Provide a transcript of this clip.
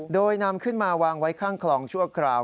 โดยนำขึ้นมาวางไว้ข้างคลองชั่วคราว